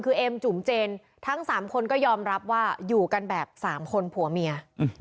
คือเอ็มจุ๋มเจนทั้ง๓คนก็ยอมรับว่าอยู่กันแบบ๓คนผัวเมีย